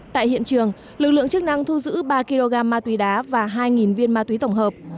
tại hiện trường lực lượng chức năng thu giữ ba kg ma túy đá và hai viên ma túy tổng hợp